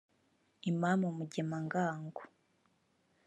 Imam Mugemangango